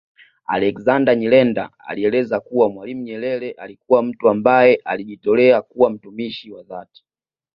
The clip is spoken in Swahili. Alexander Nyirenda alieleza kuwa Mwalimu Nyerere alikuwa mtu ambaye alijitolea kuwa mtumishi wa dhati